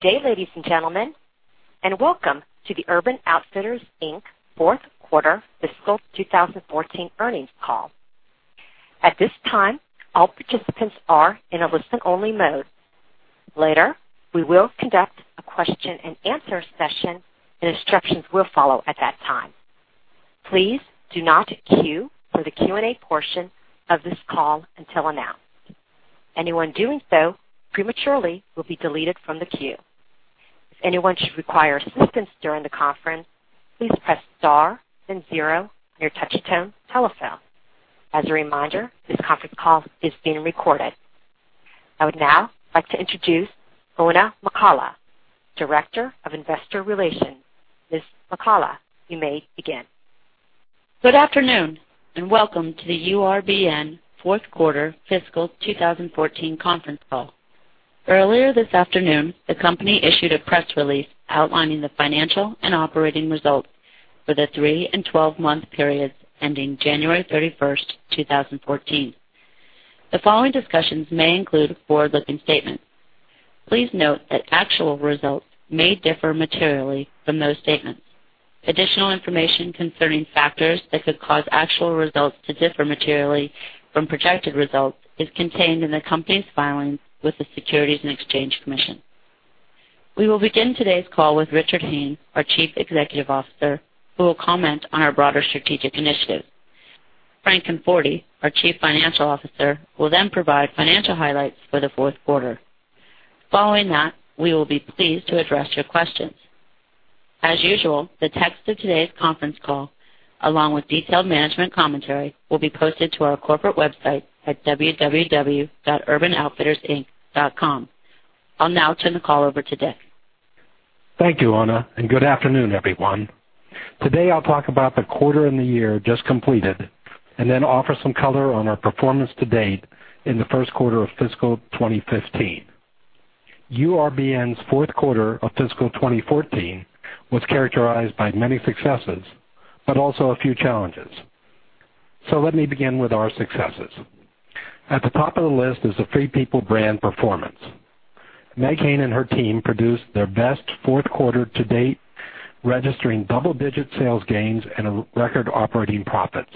Good day, ladies and gentlemen, and welcome to the Urban Outfitters Inc. Fourth Quarter Fiscal 2014 earnings call. At this time, all participants are in a listen-only mode. Later, we will conduct a question and answer session, and instructions will follow at that time. Please do not queue for the Q&A portion of this call until announced. Anyone doing so prematurely will be deleted from the queue. If anyone should require assistance during the conference, please press star and zero on your touch-tone telephone. As a reminder, this conference call is being recorded. I would now like to introduce Oona McCullough, Director of Investor Relations. Ms. McCullough, you may begin. Good afternoon, welcome to the URBN Fourth Quarter Fiscal 2014 conference call. Earlier this afternoon, the company issued a press release outlining the financial and operating results for the three and 12-month periods ending January 31, 2014. The following discussions may include forward-looking statements. Please note that actual results may differ materially from those statements. Additional information concerning factors that could cause actual results to differ materially from projected results is contained in the company's filings with the Securities and Exchange Commission. We will begin today's call with Richard Hayne, our Chief Executive Officer, who will comment on our broader strategic initiatives. Frank Conforti, our Chief Financial Officer, will then provide financial highlights for the fourth quarter. Following that, we will be pleased to address your questions. As usual, the text of today's conference call, along with detailed management commentary, will be posted to our corporate website at www.urbanoutfittersinc.com. I'll now turn the call over to Dick. Thank you, Oona, good afternoon, everyone. Today, I'll talk about the quarter and the year just completed, then offer some color on our performance to date in the first quarter of fiscal 2015. URBN's fourth quarter of fiscal 2014 was characterized by many successes, but also a few challenges. Let me begin with our successes. At the top of the list is the Free People brand performance. Meg Hayne and her team produced their best fourth quarter to date, registering double-digit sales gains and record operating profits.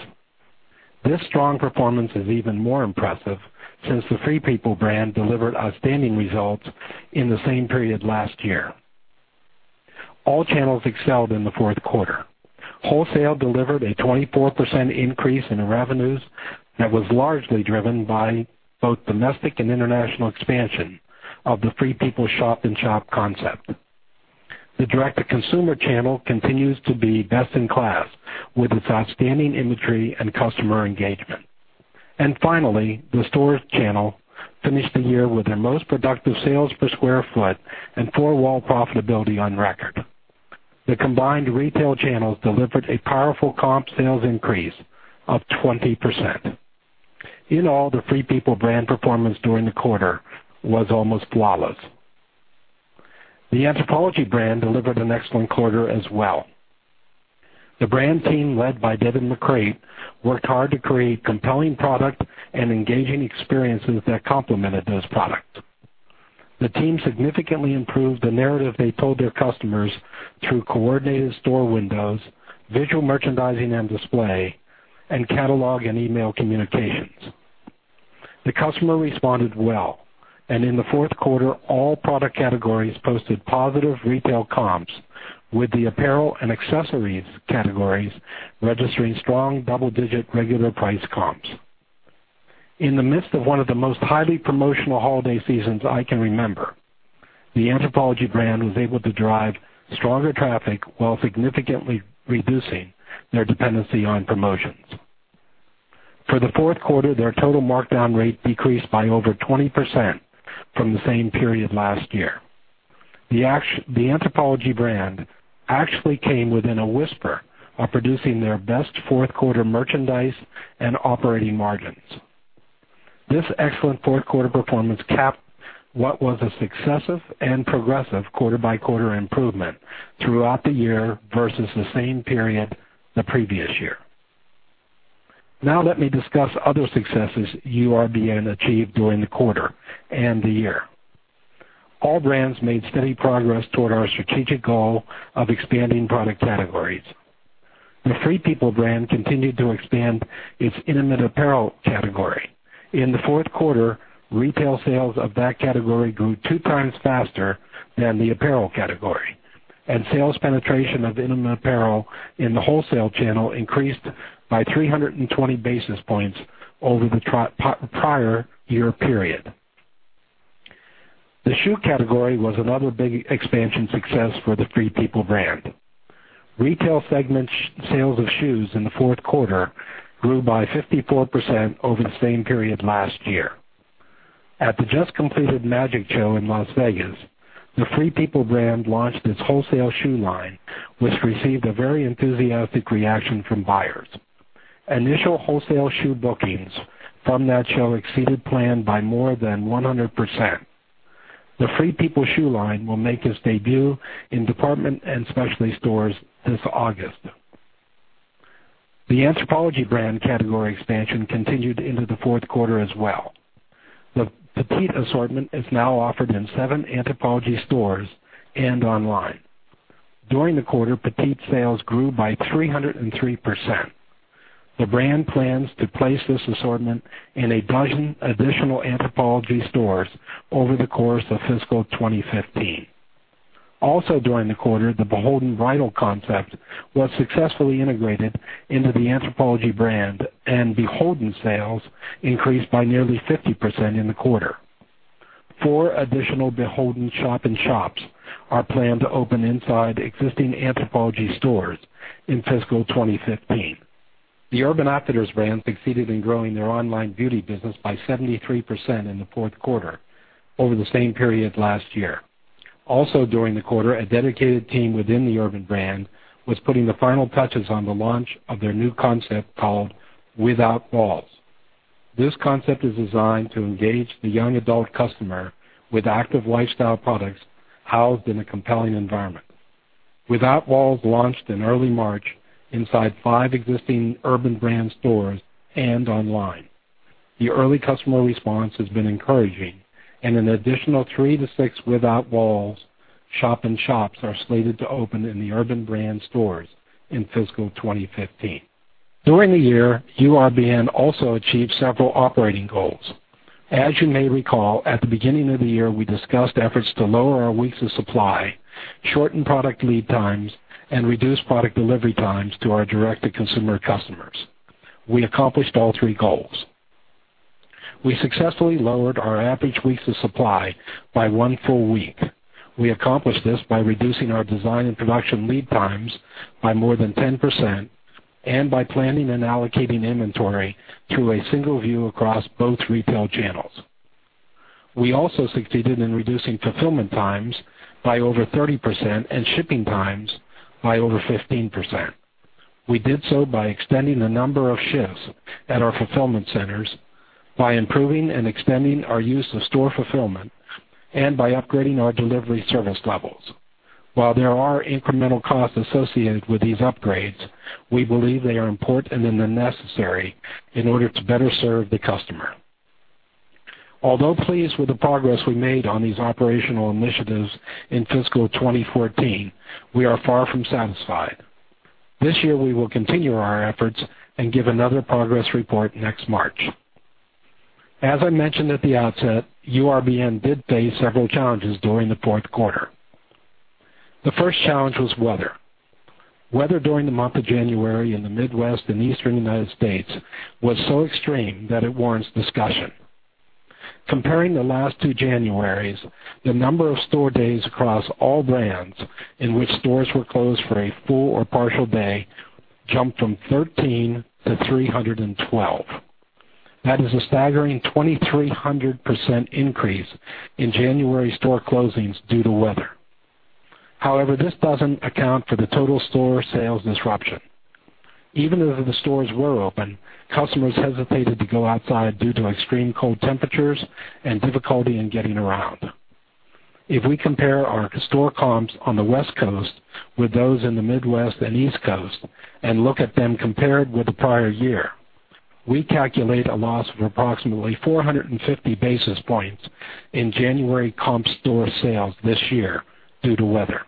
This strong performance is even more impressive since the Free People brand delivered outstanding results in the same period last year. All channels excelled in the fourth quarter. Wholesale delivered a 24% increase in revenues that was largely driven by both domestic and international expansion of the Free People shop-in-shop concept. The direct-to-consumer channel continues to be best in class with its outstanding imagery and customer engagement. Finally, the stores channel finished the year with their most productive sales per square foot and four-wall profitability on record. The combined retail channels delivered a powerful comp sales increase of 20%. In all, the Free People brand performance during the quarter was almost flawless. The Anthropologie brand delivered an excellent quarter as well. The brand team, led by David McCreight, worked hard to create compelling product and engaging experiences that complemented those products. The team significantly improved the narrative they told their customers through coordinated store windows, visual merchandising and display, and catalog and email communications. The customer responded well, and in the fourth quarter, all product categories posted positive retail comps, with the apparel and accessories categories registering strong double-digit regular price comps. In the midst of one of the most highly promotional holiday seasons I can remember, the Anthropologie brand was able to drive stronger traffic while significantly reducing their dependency on promotions. For the fourth quarter, their total markdown rate decreased by over 20% from the same period last year. The Anthropologie brand actually came within a whisper of producing their best fourth quarter merchandise and operating margins. This excellent fourth quarter performance capped what was a successive and progressive quarter-by-quarter improvement throughout the year versus the same period the previous year. Now let me discuss other successes URBN achieved during the quarter and the year. All brands made steady progress toward our strategic goal of expanding product categories. The Free People brand continued to expand its intimate apparel category. In the fourth quarter, retail sales of that category grew two times faster than the apparel category, and sales penetration of intimate apparel in the wholesale channel increased by 320 basis points over the prior year period. The shoe category was another big expansion success for the Free People brand. Retail segment sales of shoes in the fourth quarter grew by 54% over the same period last year. At the just completed MAGIC show in Las Vegas, the Free People brand launched its wholesale shoe line, which received a very enthusiastic reaction from buyers. Initial wholesale shoe bookings from that show exceeded plan by more 100%. The Free People shoe line will make its debut in department and specialty stores this August. The Anthropologie brand category expansion continued into the fourth quarter as well. The petite assortment is now offered in seven Anthropologie stores and online. During the quarter, petite sales grew by 303%. The brand plans to place this assortment in a dozen additional Anthropologie stores over the course of fiscal 2015. Also during the quarter, the BHLDN bridal concept was successfully integrated into the Anthropologie brand, and BHLDN sales increased by nearly 50% in the quarter. Four additional BHLDN shop-in-shops are planned to open inside existing Anthropologie stores in fiscal 2015. The Urban Outfitters brand succeeded in growing their online beauty business by 73% in the fourth quarter over the same period last year. Also during the quarter, a dedicated team within the Urban brand was putting the final touches on the launch of their new concept called Without Walls. This concept is designed to engage the young adult customer with active lifestyle products housed in a compelling environment. Without Walls launched in early March inside five existing Urban brand stores and online. The early customer response has been encouraging, and an additional three to six Without Walls shop-in-shops are slated to open in the Urban brand stores in fiscal 2015. During the year, URBN also achieved several operating goals. As you may recall, at the beginning of the year, we discussed efforts to lower our weeks of supply, shorten product lead times, and reduce product delivery times to our direct-to-consumer customers. We accomplished all three goals. We successfully lowered our average weeks of supply by one full week. We accomplished this by reducing our design and production lead times by more than 10% and by planning and allocating inventory through a single view across both retail channels. We also succeeded in reducing fulfillment times by over 30% and shipping times by over 15%. We did so by extending the number of shifts at our fulfillment centers, by improving and extending our use of store fulfillment, and by upgrading our delivery service levels. While there are incremental costs associated with these upgrades, we believe they are important and necessary in order to better serve the customer. Although pleased with the progress we made on these operational initiatives in fiscal 2014, we are far from satisfied. This year, we will continue our efforts and give another progress report next March. As I mentioned at the outset, URBN did face several challenges during the fourth quarter. The first challenge was weather. Weather during the month of January in the Midwest and Eastern United States was so extreme that it warrants discussion. Comparing the last two Januaries, the number of store days across all brands in which stores were closed for a full or partial day jumped from 13 to 312. That is a staggering 2,300% increase in January store closings due to weather. However, this doesn't account for the total store sales disruption. Even though the stores were open, customers hesitated to go outside due to extreme cold temperatures and difficulty in getting around. If we compare our store comps on the West Coast with those in the Midwest and East Coast and look at them compared with the prior year, we calculate a loss of approximately 450 basis points in January comp store sales this year due to weather.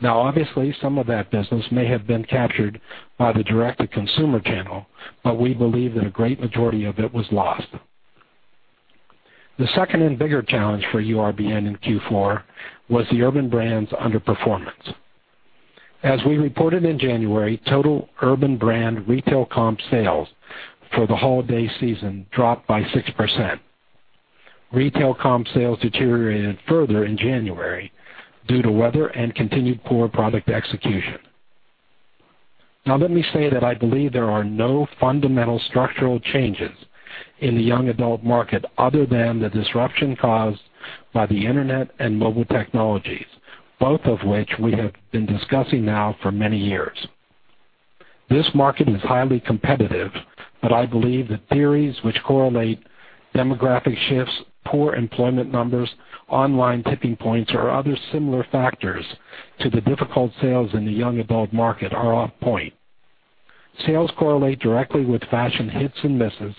Now, obviously, some of that business may have been captured by the direct-to-consumer channel, but we believe that a great majority of it was lost. The second and bigger challenge for URBN in Q4 was the Urban brand's underperformance. As we reported in January, total Urban brand retail comp sales for the holiday season dropped by 6%. Retail comp sales deteriorated further in January due to weather and continued poor product execution. Now, let me say that I believe there are no fundamental structural changes in the young adult market other than the disruption caused by the Internet and mobile technologies, both of which we have been discussing now for many years. This market is highly competitive, but I believe that theories which correlate demographic shifts, poor employment numbers, online tipping points, or other similar factors to the difficult sales in the young adult market are off point. Sales correlate directly with fashion hits and misses,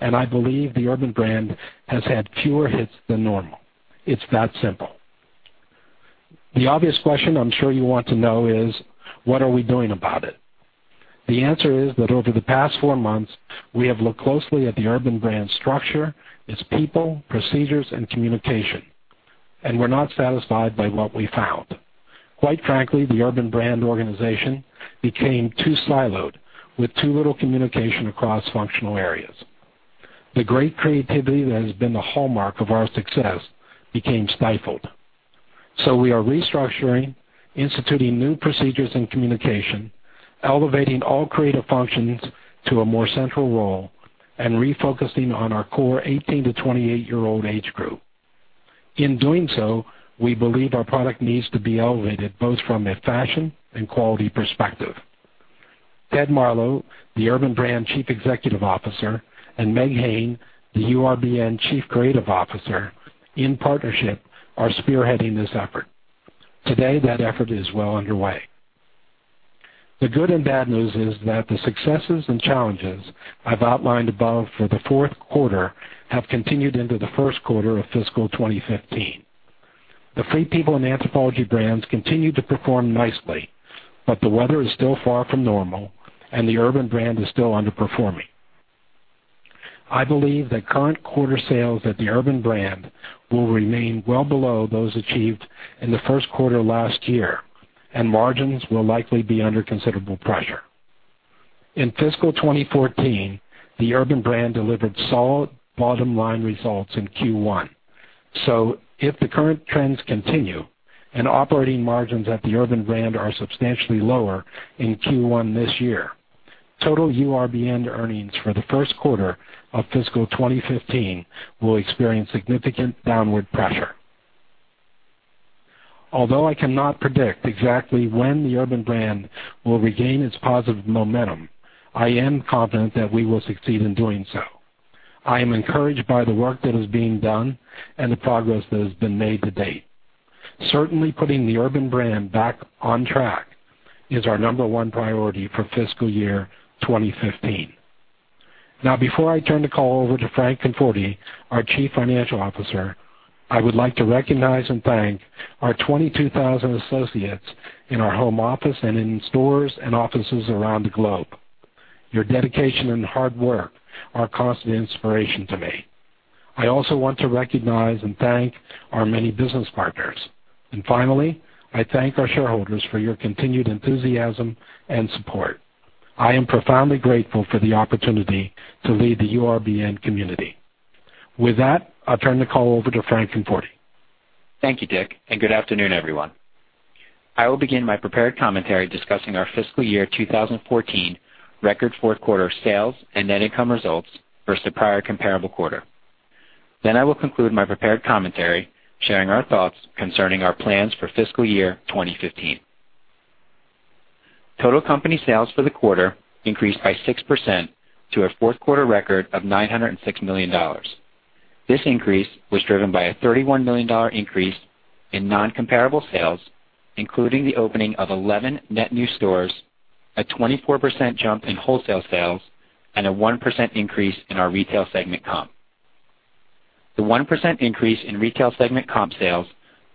and I believe the Urban brand has had fewer hits than normal. It's that simple. The obvious question I'm sure you want to know is: What are we doing about it? The answer is that over the past 4 months, we have looked closely at the Urban brand structure, its people, procedures, and communication, and we're not satisfied by what we found. Quite frankly, the Urban brand organization became too siloed with too little communication across functional areas. The great creativity that has been the hallmark of our success became stifled. We are restructuring, instituting new procedures and communication, elevating all creative functions to a more central role, and refocusing on our core 18- to 28-year-old age group. In doing so, we believe our product needs to be elevated both from a fashion and quality perspective. Ted Marlow, the URBN brand Chief Executive Officer, and Meg Hayne, the URBN Chief Creative Officer, in partnership, are spearheading this effort. Today, that effort is well underway. The good and bad news is that the successes and challenges I've outlined above for the fourth quarter have continued into the first quarter of fiscal 2015. The Free People and Anthropologie brands continue to perform nicely, but the weather is still far from normal, and the Urban brand is still underperforming. I believe that current quarter sales at the Urban brand will remain well below those achieved in the first quarter last year, and margins will likely be under considerable pressure. In fiscal 2014, the Urban brand delivered solid bottom-line results in Q1. If the current trends continue and operating margins at the Urban brand are substantially lower in Q1 this year, total URBN earnings for the first quarter of fiscal 2015 will experience significant downward pressure. Although I cannot predict exactly when the Urban brand will regain its positive momentum, I am confident that we will succeed in doing so. I am encouraged by the work that is being done and the progress that has been made to date. Certainly, putting the Urban brand back on track is our number one priority for fiscal year 2015. Now, before I turn the call over to Frank Conforti, our Chief Financial Officer, I would like to recognize and thank our 22,000 associates in our home office and in stores and offices around the globe. Your dedication and hard work are a constant inspiration to me. I also want to recognize and thank our many business partners. Finally, I thank our shareholders for your continued enthusiasm and support. I am profoundly grateful for the opportunity to lead the URBN community. With that, I'll turn the call over to Frank Conforti. Thank you, Dick, and good afternoon, everyone. I will begin my prepared commentary discussing our fiscal year 2014 record fourth quarter sales and net income results versus the prior comparable quarter. I will conclude my prepared commentary, sharing our thoughts concerning our plans for fiscal year 2015. Total company sales for the quarter increased by 6% to a fourth quarter record of $906 million. This increase was driven by a $31 million increase in non-comparable sales, including the opening of 11 net new stores, a 24% jump in wholesale sales, and a 1% increase in our retail segment comp. The 1% increase in retail segment comp sales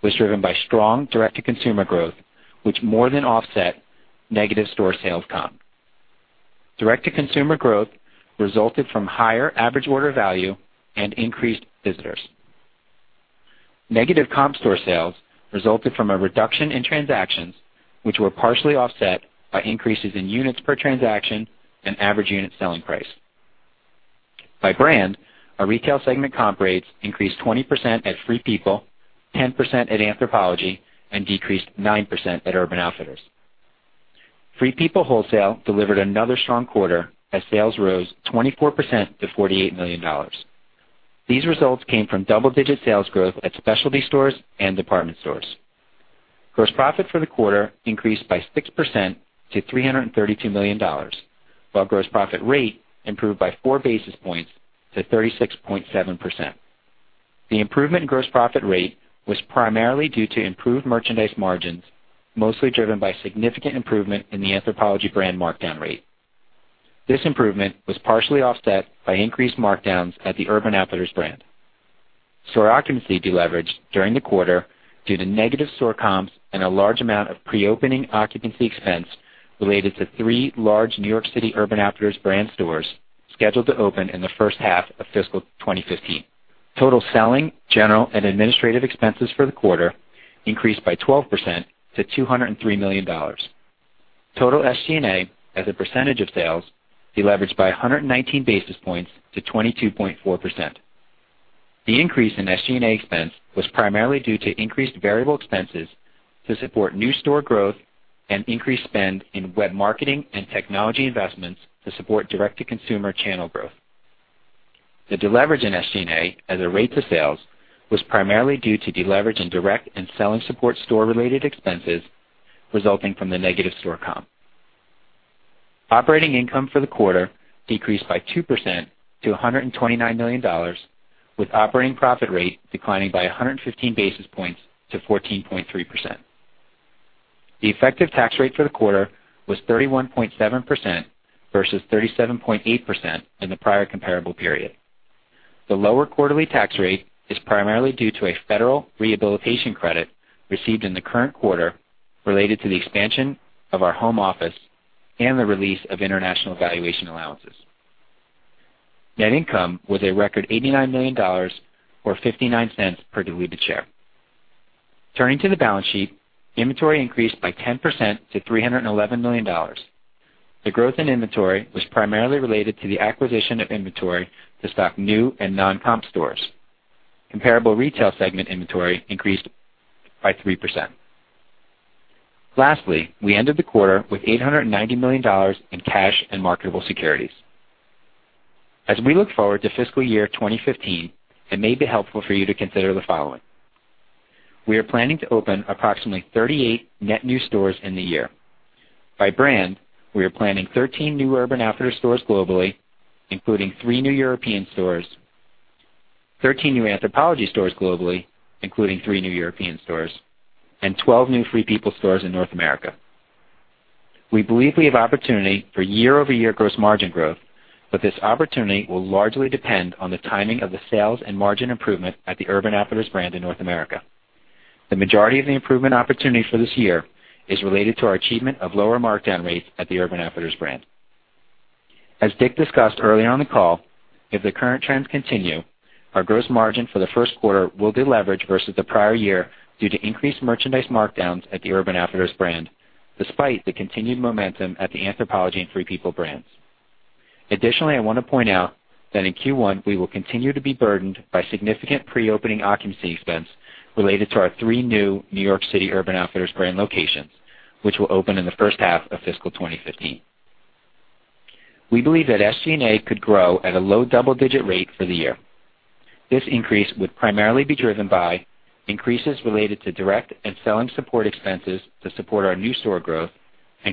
was driven by strong direct-to-consumer growth, which more than offset negative store sales comp. Direct-to-consumer growth resulted from higher average order value and increased visitors. Negative comp store sales resulted from a reduction in transactions, which were partially offset by increases in units per transaction and average unit selling price. By brand, our retail segment comp rates increased 20% at Free People, 10% at Anthropologie, and decreased 9% at Urban Outfitters. Free People wholesale delivered another strong quarter as sales rose 24% to $48 million. These results came from double-digit sales growth at specialty stores and department stores. Gross profit for the quarter increased by 6% to $332 million, while gross profit rate improved by four basis points to 36.7%. The improvement in gross profit rate was primarily due to improved merchandise margins, mostly driven by significant improvement in the Anthropologie brand markdown rate. This improvement was partially offset by increased markdowns at the Urban Outfitters brand. Store occupancy deleveraged during the quarter due to negative store comps and a large amount of pre-opening occupancy expense related to three large New York City Urban Outfitters brand stores scheduled to open in the first half of fiscal year 2015. Total selling, general, and administrative expenses for the quarter increased by 12% to $203 million. Total SG&A as a percentage of sales deleveraged by 119 basis points to 22.4%. The increase in SG&A expense was primarily due to increased variable expenses to support new store growth and increased spend in web marketing and technology investments to support direct-to-consumer channel growth. The deleverage in SG&A as a rate to sales was primarily due to deleverage in direct and selling support store-related expenses resulting from the negative store comp. Operating income for the quarter decreased by 2% to $129 million, with operating profit rate declining by 115 basis points to 14.3%. The effective tax rate for the quarter was 31.7% versus 37.8% in the prior comparable period. The lower quarterly tax rate is primarily due to a federal rehabilitation credit received in the current quarter related to the expansion of our home office and the release of international valuation allowances. Net income was a record $89 million, or $0.59 per diluted share. Turning to the balance sheet, inventory increased by 10% to $311 million. The growth in inventory was primarily related to the acquisition of inventory to stock new and non-comp stores. Comparable retail segment inventory increased by 3%. Lastly, we ended the quarter with $890 million in cash and marketable securities. As we look forward to fiscal year 2015, it may be helpful for you to consider the following. We are planning to open approximately 38 net new stores in the year. By brand, we are planning 13 new Urban Outfitters stores globally, including 3 new European stores. 13 new Anthropologie stores globally, including 3 new European stores, and 12 new Free People stores in North America. We believe we have opportunity for year-over-year gross margin growth, this opportunity will largely depend on the timing of the sales and margin improvement at the Urban Outfitters brand in North America. The majority of the improvement opportunity for this year is related to our achievement of lower markdown rates at the Urban Outfitters brand. As Dick discussed earlier on the call, if the current trends continue, our gross margin for the first quarter will deleverage versus the prior year due to increased merchandise markdowns at the Urban Outfitters brand, despite the continued momentum at the Anthropologie and Free People brands. Additionally, I want to point out that in Q1, we will continue to be burdened by significant pre-opening occupancy expense related to our three new New York City Urban Outfitters brand locations, which will open in the first half of fiscal 2015. We believe that SG&A could grow at a low double-digit rate for the year. This increase would primarily be driven by increases related to direct and selling support expenses to support our new store growth,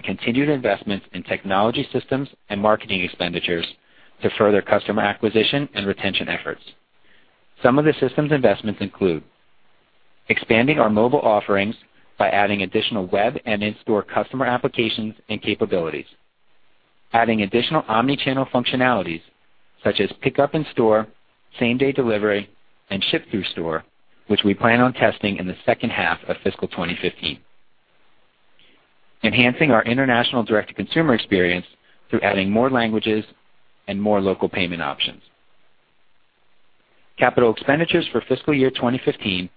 continued investments in technology systems and marketing expenditures to further customer acquisition and retention efforts. Some of the systems investments include expanding our mobile offerings by adding additional web and in-store customer applications and capabilities. Adding additional omni-channel functionalities such as pickup in-store, same-day delivery, and ship through store, which we plan on testing in the second half of fiscal 2015. Enhancing our international direct-to-consumer experience through adding more languages and more local payment options. Capital expenditures for fiscal year 2015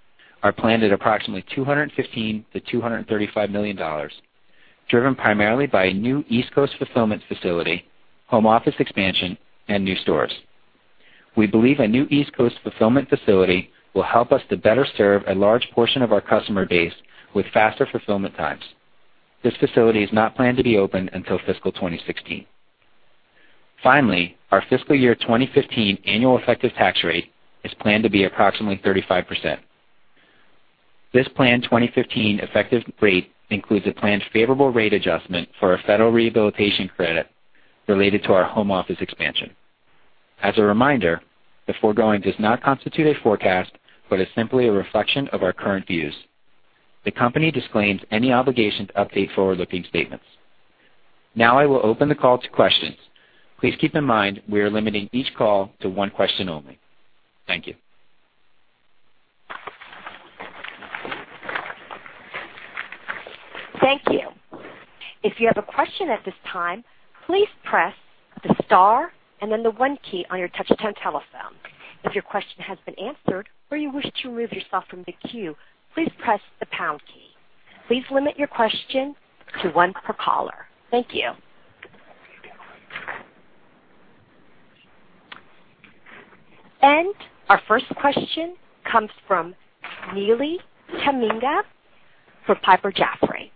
are planned at approximately $215 million-$235 million, driven primarily by a new East Coast fulfillment facility, home office expansion, and new stores. We believe a new East Coast fulfillment facility will help us to better serve a large portion of our customer base with faster fulfillment times. This facility is not planned to be open until fiscal 2016. Finally, our fiscal year 2015 annual effective tax rate is planned to be approximately 35%. This planned 2015 effective rate includes a planned favorable rate adjustment for a federal rehabilitation credit related to our home office expansion. As a reminder, the foregoing does not constitute a forecast, but is simply a reflection of our current views. The company disclaims any obligation to update forward-looking statements. I will open the call to questions. Please keep in mind, we are limiting each call to one question only. Thank you. Thank you. If you have a question at this time, please press the star and then the one key on your touch-tone telephone. If your question has been answered or you wish to remove yourself from the queue, please press the pound key. Please limit your question to one per caller. Thank you. Our first question comes from Neely Tamminga for Piper Jaffray.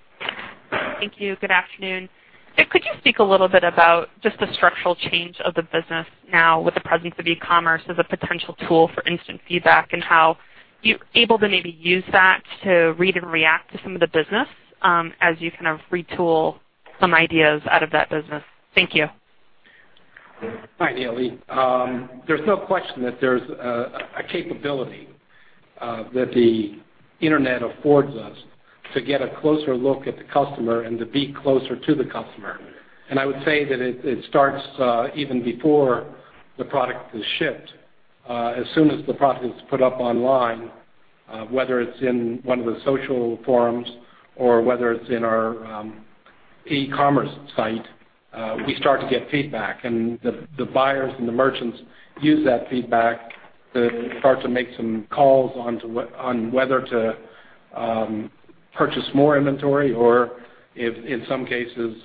Thank you. Good afternoon. Dick, could you speak a little about just the structural change of the business now with the presence of e-commerce as a potential tool for instant feedback and how you're able to maybe use that to read and react to some of the business as you retool some ideas out of that business. Thank you. Hi, Neely. There's no question that there's a capability that the internet affords us to get a closer look at the customer and to be closer to the customer. I would say that it starts even before the product is shipped. As soon as the product is put up online, whether it's in one of the social forums or whether it's in our e-commerce site, we start to get feedback, and the buyers and the merchants use that feedback to start to make some calls on whether to purchase more inventory or, in some cases,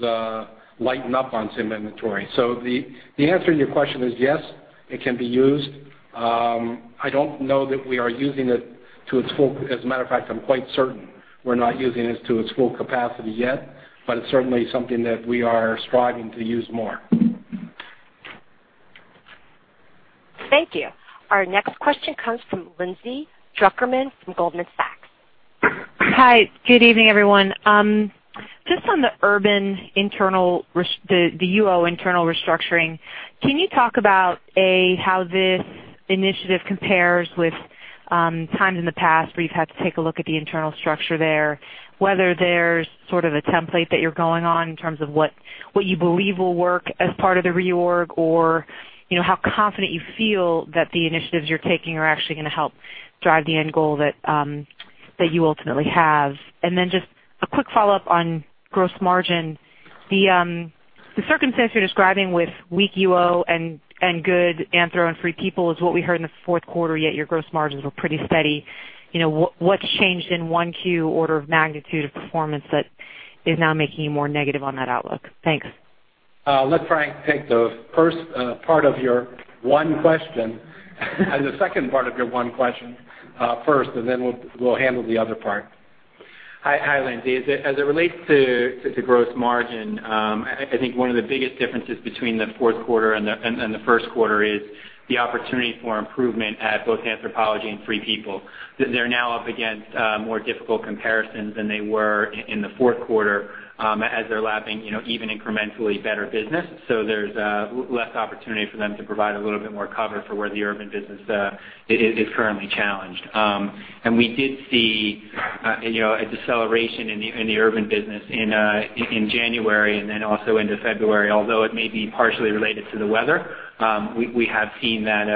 lighten up on some inventory. The answer to your question is yes, it can be used. As a matter of fact, I'm quite certain we're not using it to its full capacity yet, but it's certainly something that we are striving to use more. Thank you. Our next question comes from Lindsay Drucker Mann from Goldman Sachs. Hi, good evening, everyone. Just on the Urban internal, the UO internal restructuring, can you talk about, A, how this initiative compares with times in the past where you've had to take a look at the internal structure there, whether there's sort of a template that you're going on in terms of what you believe will work as part of the reorg or how confident you feel that the initiatives you're taking are actually going to help drive the end goal that you ultimately have. Then just a quick follow-up on gross margin. The circumstance you're describing with weak UO and good Anthro and Free People is what we heard in the fourth quarter, yet your gross margins were pretty steady. What's changed in 1Q order of magnitude of performance that is now making you more negative on that outlook? Thanks. I'll let Frank take the first part of your one question and the second part of your one question first, then we'll handle the other part. Hi, Lindsay. As it relates to gross margin, I think one of the biggest differences between the fourth quarter and the first quarter is the opportunity for improvement at both Anthropologie and Free People. They're now up against more difficult comparisons than they were in the fourth quarter as they're lapping even incrementally better business. There's less opportunity for them to provide a little bit more cover for where the Urban business is currently challenged. We did see a deceleration in the Urban business in January and then also into February, although it may be partially related to the weather. We have seen that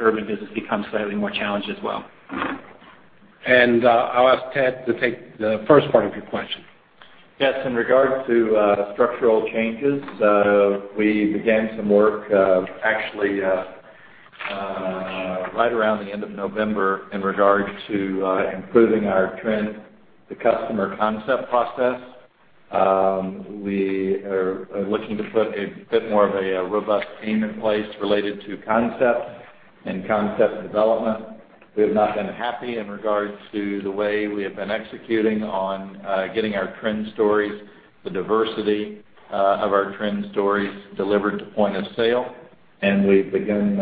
Urban business become slightly more challenged as well. I'll ask Ted to take the first part of your question. Yes, in regard to structural changes, we began some work actually right around the end of November in regard to improving our trend-to-customer concept process. We are looking to put a bit more of a robust team in place related to concept and concept development. We have not been happy in regards to the way we have been executing on getting our trend stories, the diversity of our trend stories delivered to point of sale. We've begun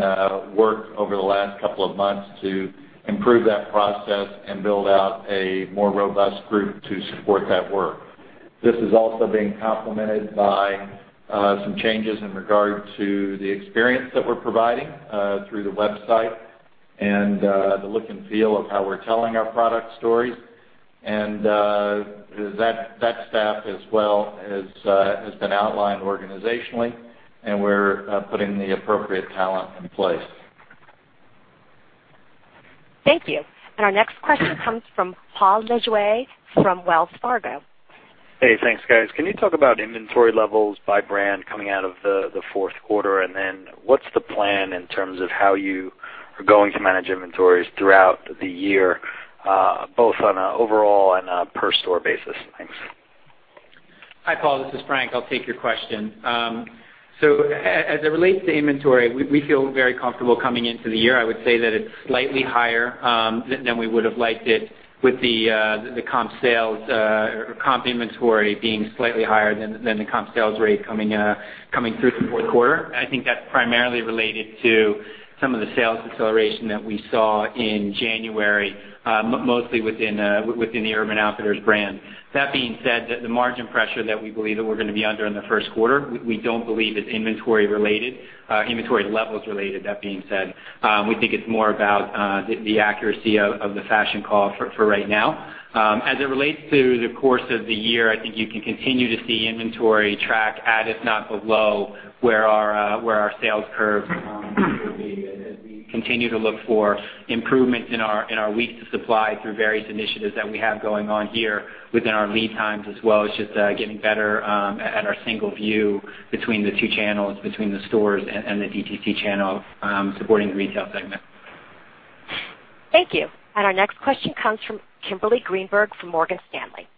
work over the last couple of months to improve that process and build out a more robust group to support that work. This is also being complemented by some changes in regard to the experience that we're providing through the website and the look and feel of how we're telling our product stories. That staff as well has been outlined organizationally, and we're putting the appropriate talent in place. Thank you. Our next question comes from Paul Lejuez from Wells Fargo. Hey, thanks guys. Can you talk about inventory levels by brand coming out of the fourth quarter? What's the plan in terms of how you are going to manage inventories throughout the year, both on an overall and a per store basis? Thanks. Hi, Paul. This is Frank. I'll take your question. As it relates to inventory, we feel very comfortable coming into the year. I would say that it's slightly higher than we would have liked it with the comp sales or comp inventory being slightly higher than the comp sales rate coming through the fourth quarter. I think that's primarily related to some of the sales deceleration that we saw in January, mostly within the Urban Outfitters brand. That being said, the margin pressure that we believe that we're going to be under in the first quarter, we don't believe is inventory levels related. That being said, we think it's more about the accuracy of the fashion call for right now. As it relates to the course of the year, I think you can continue to see inventory track at, if not below, where our sales curve will be as we continue to look for improvements in our weeks of supply through various initiatives that we have going on here within our lead times as well as just getting better at our single view between the two channels, between the stores and the DTC channel supporting the retail segment. Thank you. Our next question comes from Kimberly Greenberger from Morgan Stanley.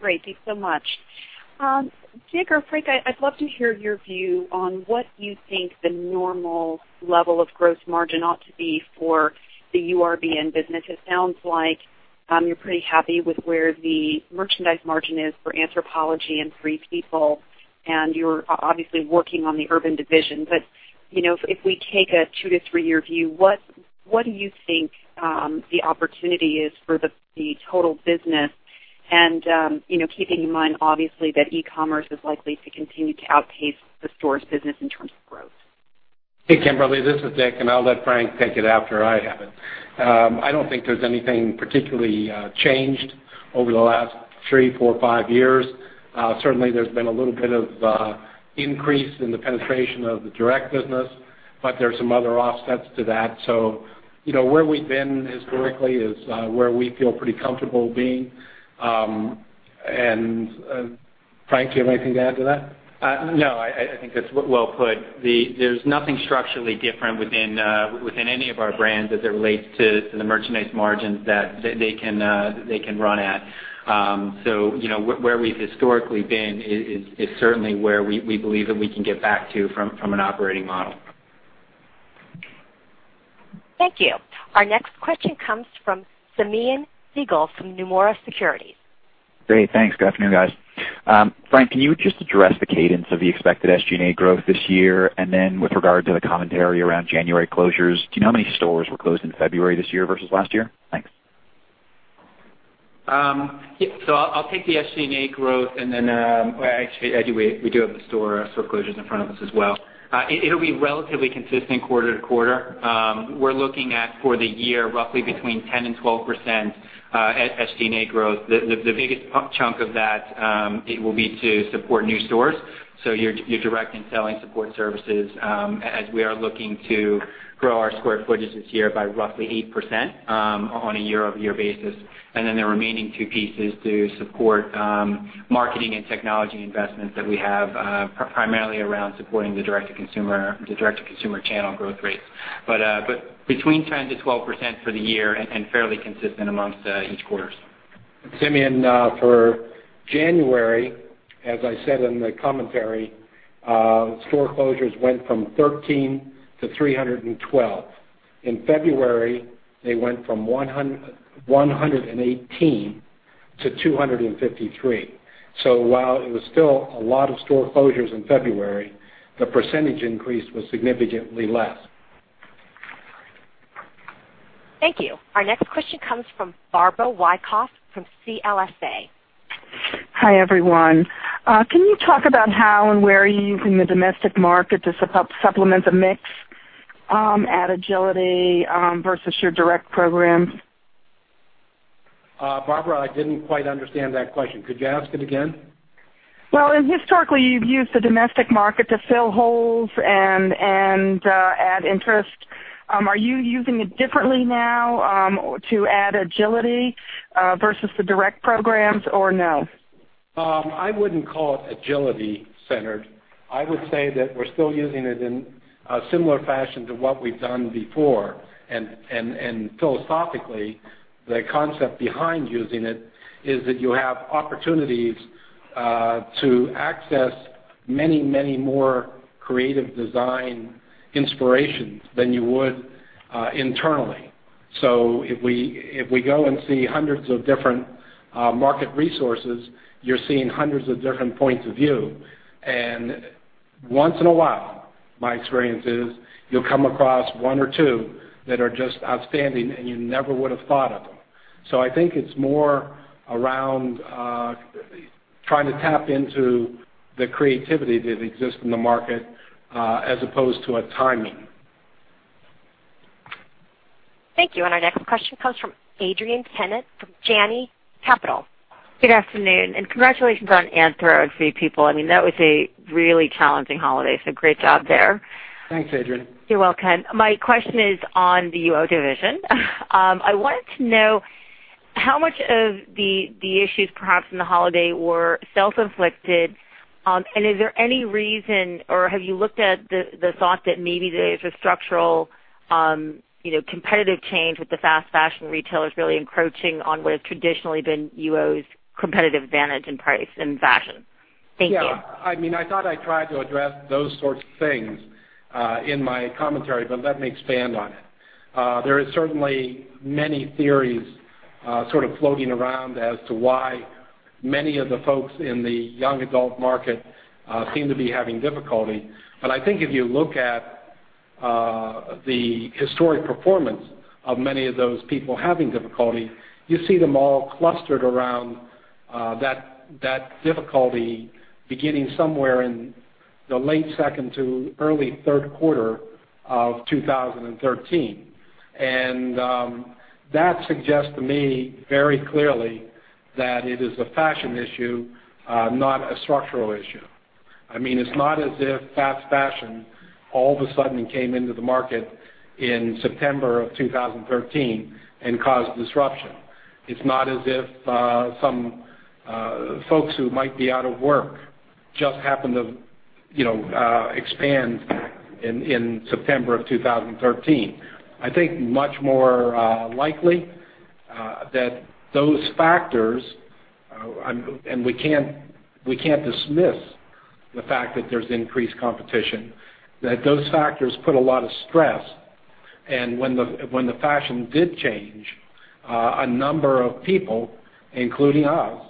Great. Thank you so much. Dick or Frank, I'd love to hear your view on what you think the normal level of gross margin ought to be for the URBN business. It sounds like you're pretty happy with where the merchandise margin is for Anthropologie and Free People, and you're obviously working on the Urban division. If we take a two to three-year view, what do you think the opportunity is for the total business? Keeping in mind, obviously, that e-commerce is likely to continue to outpace the stores business in terms of growth. Hey, Kimberly, this is Dick, and I'll let Frank take it after I have it. I don't think there's anything particularly changed over the last three, four, five years. Certainly, there's been a little bit of increase in the penetration of the direct business, but there's some other offsets to that. Where we've been historically is where we feel pretty comfortable being. Frank, do you have anything to add to that? No, I think that's well put. There's nothing structurally different within any of our brands as it relates to the merchandise margins that they can run at. Where we've historically been is certainly where we believe that we can get back to from an operating model. Thank you. Our next question comes from Simeon Siegel from Nomura Securities. Great. Thanks. Good afternoon, guys. Frank, can you just address the cadence of the expected SG&A growth this year? Then with regard to the commentary around January closures, do you know how many stores were closed in February this year versus last year? Thanks. I'll take the SG&A growth. We do have the store closures in front of us as well. It'll be relatively consistent quarter-to-quarter. We're looking at for the year roughly between 10%-12% SG&A growth. The biggest chunk of that will be to support new stores. Your direct and selling support services as we are looking to grow our square footage this year by roughly 8% on a year-over-year basis. The remaining two pieces to support marketing and technology investments that we have primarily around supporting the direct-to-consumer channel growth rates. Between 10%-12% for the year and fairly consistent amongst each quarter. Simeon, for January, as I said in the commentary, store closures went from 13 to 312. In February, they went from 118 to 253. While it was still a lot of store closures in February, the % increase was significantly less. Thank you. Our next question comes from Barbara Wyckoff from CLSA. Hi, everyone. Can you talk about how and where you're using the domestic market to supplement the mix, add agility versus your direct programs? Barbara, I didn't quite understand that question. Could you ask it again? Well, historically, you've used the domestic market to fill holes and add interest. Are you using it differently now to add agility versus the direct programs or no? I wouldn't call it agility-centered. I would say that we're still using it in a similar fashion to what we've done before. Philosophically, the concept behind using it is that you have opportunities to access many, many more creative design inspirations than you would internally. If we go and see hundreds of different market resources, you're seeing hundreds of different points of view. Once in a while, my experience is, you'll come across one or two that are just outstanding and you never would have thought of them. I think it's more around trying to tap into the creativity that exists in the market as opposed to a timing. Thank you. Our next question comes from Adrienne Tennant from Janney Capital. Good afternoon. Congratulations on Anthro and Free People. That was a really challenging holiday, great job there. Thanks, Adrienne. You're welcome. My question is on the UO division. I wanted to know how much of the issues, perhaps in the holiday, were self-inflicted. Is there any reason, or have you looked at the thought that maybe there's a structural competitive change with the fast fashion retailers really encroaching on what has traditionally been UO's competitive advantage in price and fashion? Thank you. Yeah. I thought I tried to address those sorts of things in my commentary, let me expand on it. There are certainly many theories sort of floating around as to why many of the folks in the young adult market seem to be having difficulty. I think if you look at the historic performance of many of those people having difficulty, you see them all clustered around that difficulty beginning somewhere in the late second to early third quarter of 2013. That suggests to me very clearly that it is a fashion issue, not a structural issue. It's not as if fast fashion all of a sudden came into the market in September of 2013 and caused disruption. It's not as if some folks who might be out of work just happened to expand in September of 2013. I think much more likely that those factors, we can't dismiss the fact that there's increased competition, that those factors put a lot of stress. When the fashion did change, a number of people, including us,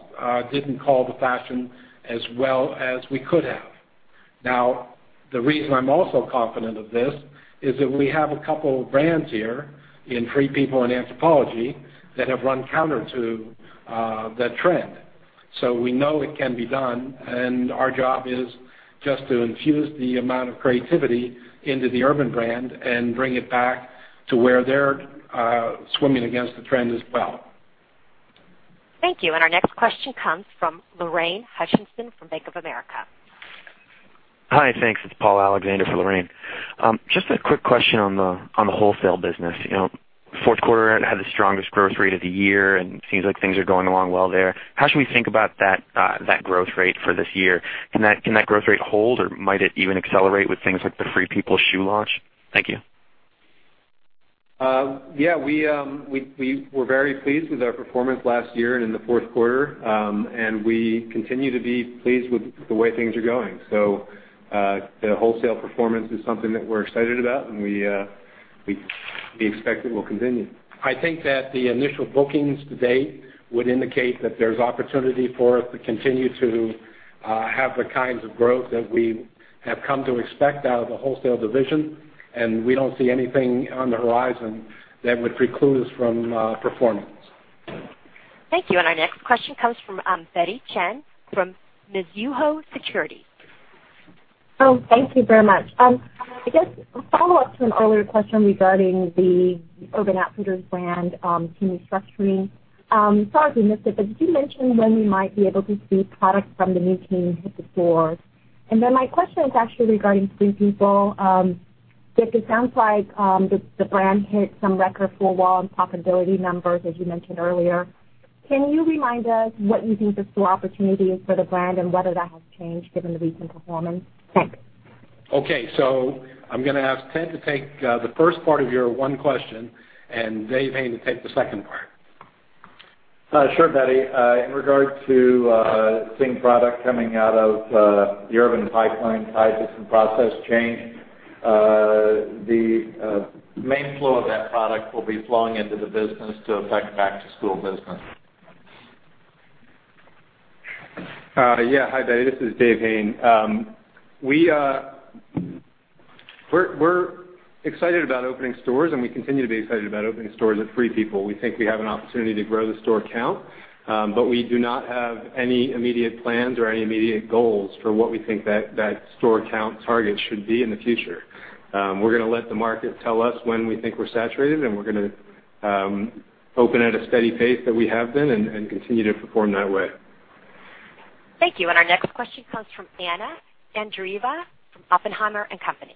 didn't call the fashion as well as we could have. The reason I'm also confident of this is that we have a couple of brands here in Free People and Anthropologie that have run counter to that trend. We know it can be done, and our job is just to infuse the amount of creativity into the Urban brand and bring it back to where they're swimming against the trend as well. Thank you. Our next question comes from Lorraine Hutchinson from Bank of America. Hi, thanks. It's Paul Alexander for Lorraine. Just a quick question on the wholesale business. Fourth quarter had the strongest growth rate of the year, it seems like things are going along well there. How should we think about that growth rate for this year? Can that growth rate hold, or might it even accelerate with things like the Free People shoe launch? Thank you. Yeah, we're very pleased with our performance last year and in the fourth quarter. We continue to be pleased with the way things are going. The wholesale performance is something that we're excited about, and we expect it will continue. I think that the initial bookings to date would indicate that there's opportunity for us to continue to have the kinds of growth that we have come to expect out of the wholesale division, and we don't see anything on the horizon that would preclude us from performance. Thank you. Our next question comes from Betty Chen from Mizuho Securities. Thank you very much. I guess a follow-up to an earlier question regarding the Urban Outfitters brand team restructuring. Sorry if we missed it, could you mention when we might be able to see products from the new team hit the floor? My question is actually regarding Free People. Dick, it sounds like the brand hit some record full year and profitability numbers, as you mentioned earlier. Can you remind us what you think the store opportunity is for the brand and whether that has changed given the recent performance? Thanks. Okay. I'm going to ask Ted to take the first part of your one question and Dave Hayne to take the second part. Sure, Betty. In regard to seeing product coming out of the Urban pipeline tied to some process change, the main flow of that product will be flowing into the business to affect back-to-school business. Yeah. Hi, Betty Chen, this is David Hayne. We're excited about opening stores, and we continue to be excited about opening stores at Free People. We think we have an opportunity to grow the store count, but we do not have any immediate plans or any immediate goals for what we think that store count target should be in the future. We're going to let the market tell us when we think we're saturated, and we're going to open at a steady pace that we have been and continue to perform that way. Thank you. Our next question comes from Anna Andreeva from Oppenheimer & Co..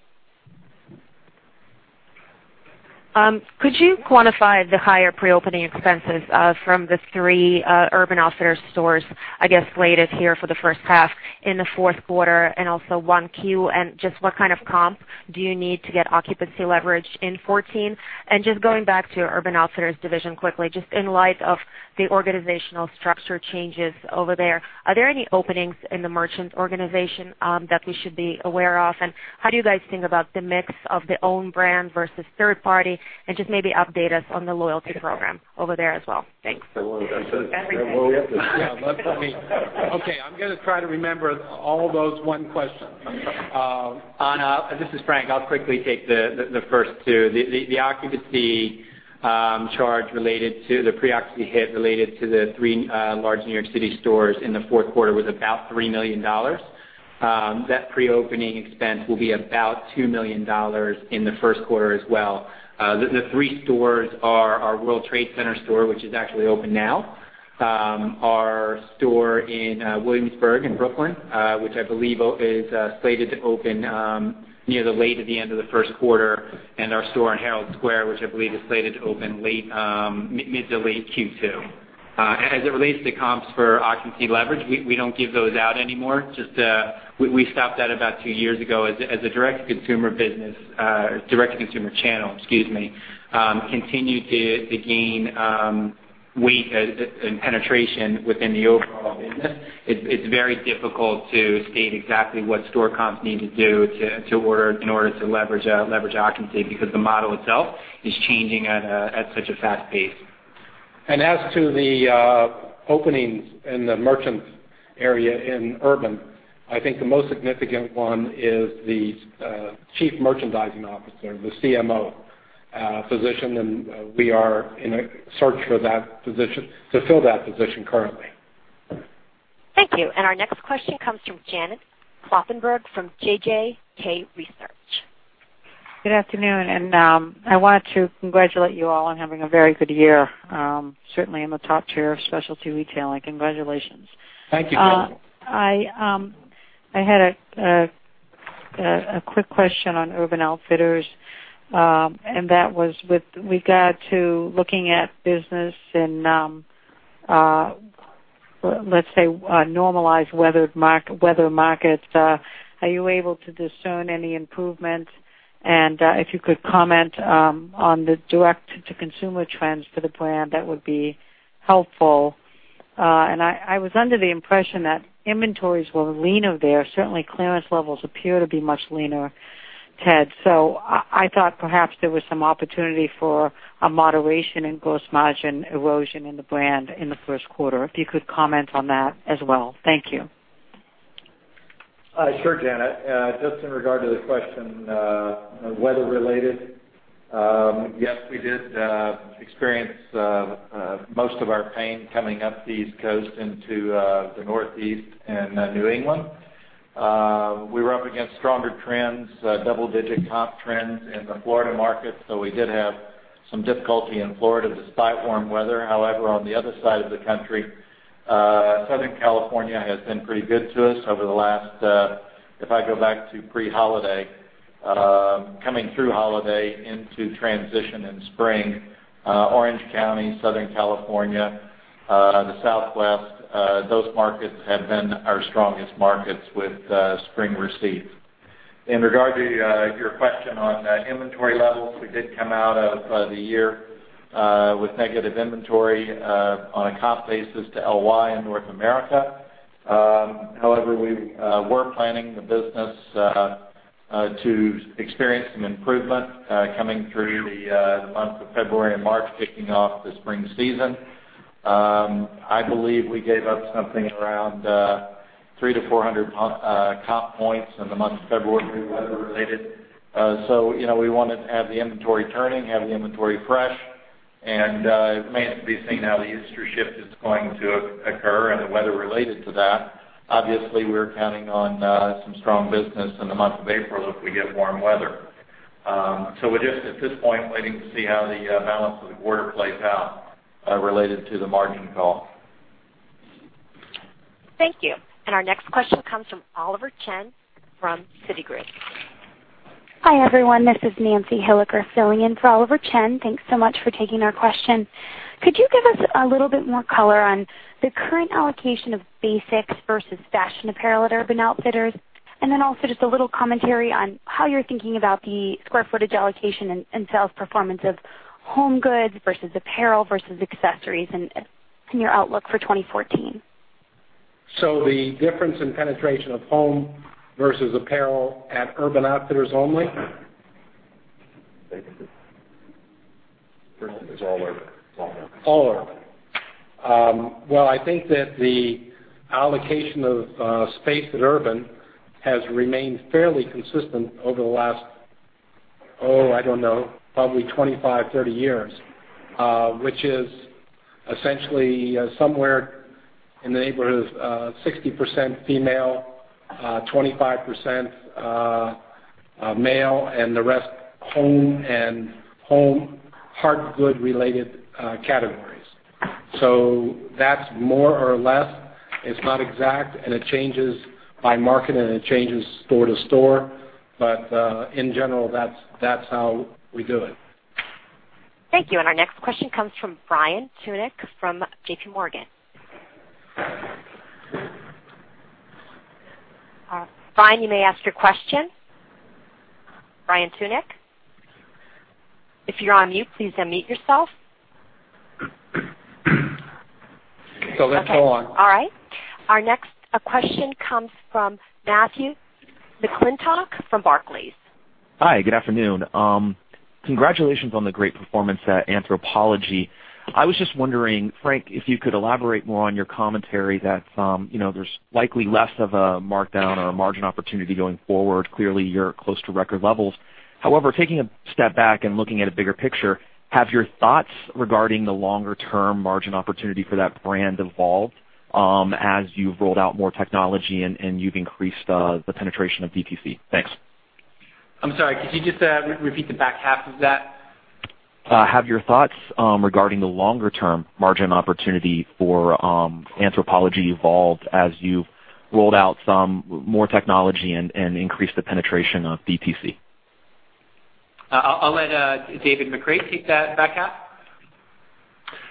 Could you quantify the higher pre-opening expenses from the three Urban Outfitters stores, I guess, slated here for the first half in the fourth quarter and also 1Q, and just what kind of comp do you need to get occupancy leverage in 2014? Just going back to your Urban Outfitters division quickly, just in light of the organizational structure changes over there, are there any openings in the merchant organization that we should be aware of? And how do you guys think about the mix of the own brand versus third party? And just maybe update us on the loyalty program over there as well. Thanks. Well, that's everything. Yeah. Okay. I'm going to try to remember all of those one questions. Anna, this is Frank. I'll quickly take the first two. The occupancy charge related to the pre-occupancy hit related to the three large New York City stores in the fourth quarter was about $3 million. That pre-opening expense will be about $2 million in the first quarter as well. The three stores are our World Trade Center store, which is actually open now, our store in Williamsburg in Brooklyn, which I believe is slated to open near the late of the end of the first quarter, and our store in Herald Square, which I believe is slated to open mid to late Q2. As it relates to comps for occupancy leverage, we don't give those out anymore. Just, we stopped that about two years ago. As a direct-to-consumer business, direct-to-consumer channel, excuse me, continue to gain weight and penetration within the overall business. It's very difficult to state exactly what store comps need to do in order to leverage occupancy, because the model itself is changing at such a fast pace. As to the openings in the merchant area in Urban, I think the most significant one is the Chief Merchandising Officer, the CMO position, and we are in a search for that position, to fill that position currently. Thank you. Our next question comes from Janet Kloppenburg from JJK Research. Good afternoon, I wanted to congratulate you all on having a very good year. Certainly in the top tier of specialty retailing. Congratulations. Thank you. I had a quick question on Urban Outfitters, that was with regard to looking at business in, let's say, normalized weather markets. Are you able to discern any improvements? If you could comment on the direct-to-consumer trends for the brand, that would be helpful. I was under the impression that inventories were leaner there. Certainly, clearance levels appear to be much leaner, Ted, I thought perhaps there was some opportunity for a moderation in gross margin erosion in the brand in the first quarter. If you could comment on that as well. Thank you. Sure, Janet. Just in regard to the question, weather-related. Yes, we did experience most of our pain coming up the East Coast into the Northeast and New England. We were up against stronger trends, double-digit comp trends in the Florida market. We did have some difficulty in Florida despite warm weather. On the other side of the country, Southern California has been pretty good to us over the last If I go back to pre-holiday, coming through holiday into transition in spring, Orange County, Southern California, the Southwest, those markets have been our strongest markets with spring receipts. In regard to your question on inventory levels, we did come out of the year with negative inventory on a comp basis to LY in North America. We were planning the business to experience some improvement coming through the month of February and March, kicking off the spring season. I believe we gave up something around 300 to 400 comp points in the month of February, weather-related. We wanted to have the inventory turning, have the inventory fresh, and it remains to be seen how the Easter shift is going to occur and the weather related to that. Obviously, we're counting on some strong business in the month of April if we get warm weather. We're just, at this point, waiting to see how the balance of the quarter plays out related to the margin call. Thank you. Our next question comes from Oliver Chen from Citigroup. Hi, everyone. This is Nancy Hilliker filling in for Oliver Chen. Thanks so much for taking our question. Could you give us a little bit more color on the current allocation of basics versus fashion apparel at Urban Outfitters? just a little commentary on how you're thinking about the square footage allocation and sales performance of home goods versus apparel versus accessories in your outlook for 2014. The difference in penetration of home versus apparel at Urban Outfitters only? Basically. Versus all Urban. All Urban. I think that the allocation of space at Urban has remained fairly consistent over the last, oh, I don't know, probably 25, 30 years. Which is essentially somewhere in the neighborhood of 60% female, 25% male, and the rest home and home hard good related categories. That's more or less. It's not exact, and it changes by market, and it changes store to store. In general, that's how we do it. Thank you. Our next question comes from Brian Tunick from JPMorgan. Brian, you may ask your question. Brian Tunick. If you're on mute, please unmute yourself. Let's go on. All right. Our next question comes from Matthew McClintock from Barclays. Hi, good afternoon. Congratulations on the great performance at Anthropologie. I was just wondering, Frank, if you could elaborate more on your commentary that there's likely less of a markdown or a margin opportunity going forward. Clearly, you're close to record levels. However, taking a step back and looking at a bigger picture, have your thoughts regarding the longer-term margin opportunity for that brand evolved as you've rolled out more technology and you've increased the penetration of DTC? Thanks. I'm sorry, could you just repeat the back half of that? Have your thoughts regarding the longer-term margin opportunity for Anthropologie evolved as you've rolled out some more technology and increased the penetration of DTC? I'll let David McCreight take that back half.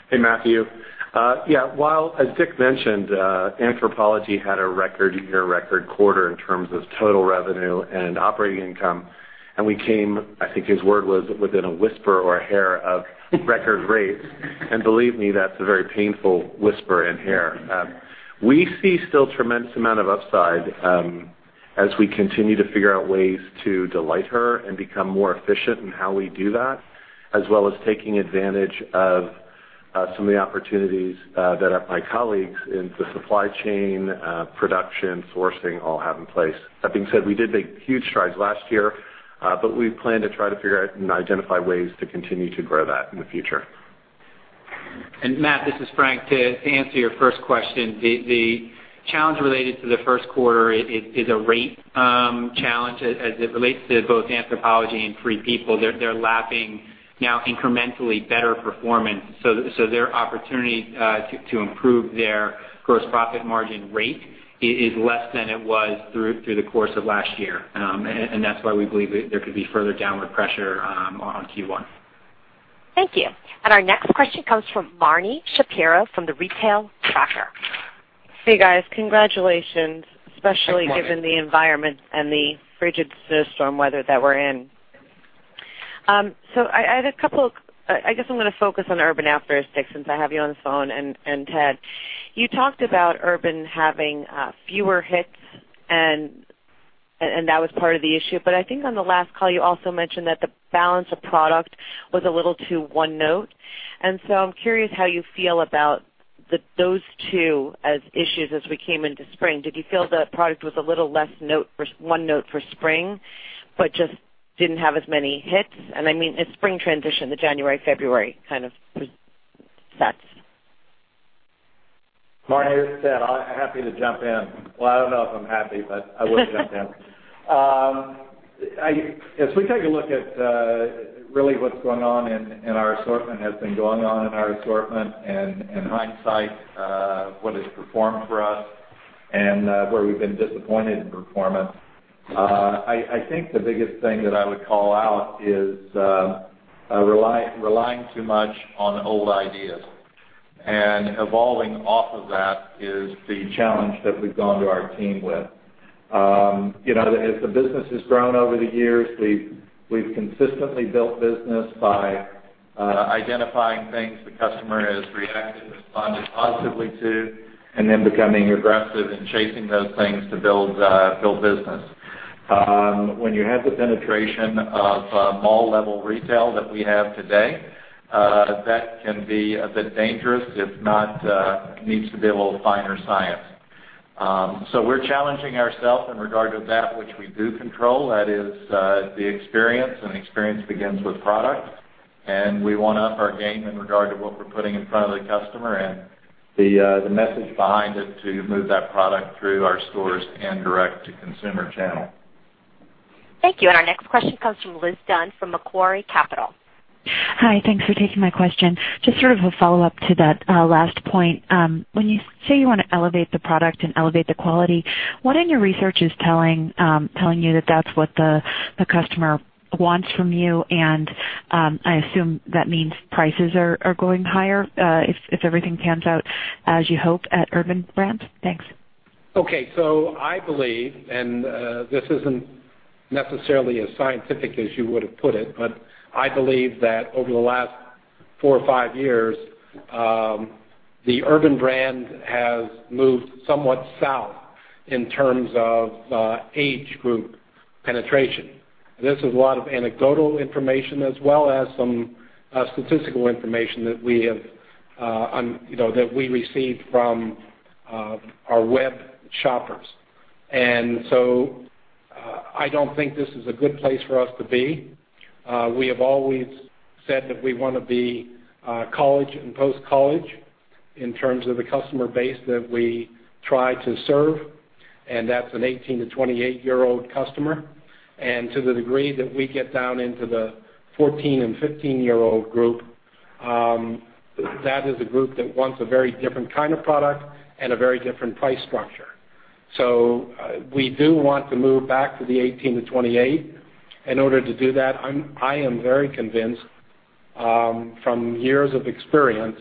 Hey, Matthew. While as Dick mentioned, Anthropologie had a record year, record quarter in terms of total revenue and operating income, and we came, I think his word was, within a whisper or a hair of record rates. Believe me, that's a very painful whisper and hair. We see still tremendous amount of upside as we continue to figure out ways to delight her and become more efficient in how we do that, as well as taking advantage of some of the opportunities that my colleagues in the supply chain, production, sourcing all have in place. That being said, we did make huge strides last year, but we plan to try to figure out and identify ways to continue to grow that in the future. Matt, this is Frank. To answer your first question, the challenge related to the first quarter is a rate challenge as it relates to both Anthropologie and Free People. They're lapping now incrementally better performance. Their opportunity to improve their gross profit margin rate is less than it was through the course of last year. That's why we believe there could be further downward pressure on Q1. Thank you. Our next question comes from Marni Shapiro from The Retail Tracker. Hey, guys. Congratulations. Morning. especially given the environment and the frigid snowstorm weather that we're in. I guess I'm going to focus on Urban Outfitters since I have you on the phone, and Ted. You talked about Urban having fewer hits and that was part of the issue. I think on the last call, you also mentioned that the balance of product was a little too one-note. I'm curious how you feel about those two as issues as we came into spring. Did you feel the product was a little less one-note for spring, but just didn't have as many hits? I mean the spring transition, the January, February kind of sets. Marni, this is Ted. I'm happy to jump in. Well, I don't know if I'm happy, but I will jump in. As we take a look at really what's going on in our assortment, has been going on in our assortment and in hindsight, what has performed for us and where we've been disappointed in performance. I think the biggest thing that I would call out is relying too much on old ideas and evolving off of that is the challenge that we've gone to our team with. As the business has grown over the years, we've consistently built business by identifying things the customer has reacted and responded positively to, and then becoming aggressive in chasing those things to build business. When you have the penetration of mall-level retail that we have today, that can be a bit dangerous, if not, needs to be a little finer science. We're challenging ourselves in regard to that which we do control. That is, the experience, and experience begins with product. We want to up our game in regard to what we're putting in front of the customer and the message behind it to move that product through our stores and direct-to-consumer channel. Thank you. Our next question comes from Liz Dunn from Macquarie Capital. Hi. Thanks for taking my question. Just sort of a follow-up to that last point. When you say you want to elevate the product and elevate the quality, what in your research is telling you that that's what the customer wants from you and I assume that means prices are going higher, if everything pans out as you hope at Urban Brands? Thanks. I believe, and this isn't necessarily as scientific as you would've put it, but I believe that over the last four or five years, the Urban brand has moved somewhat south in terms of age group penetration. This is a lot of anecdotal information as well as some statistical information that we received from our web shoppers. I don't think this is a good place for us to be. We have always said that we want to be college and post-college in terms of the customer base that we try to serve, and that's an 18 to 28-year-old customer. To the degree that we get down into the 14 and 15-year-old group, that is a group that wants a very different kind of product and a very different price structure. We do want to move back to the 18 to 28. In order to do that, I am very convinced, from years of experience,